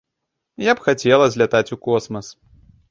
Я б хацела злятаць у космас.